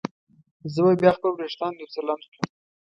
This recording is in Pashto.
زه به بیا خپل وریښتان یو څه لنډ کړم.